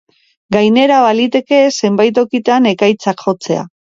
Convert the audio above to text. Gainera, baliteke zenbait tokitan ekaitzak jotzea.